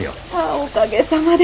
おかげさまで。